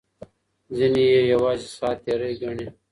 ځینې یې یوازې ساعت تېرۍ ګڼي.